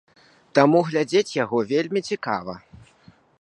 Таму глядзець яго вельмі цікава.